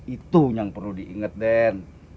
itu yang perlu diinget den